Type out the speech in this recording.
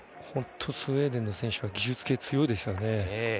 本当にスウェーデンの選手は技術系に強いですね。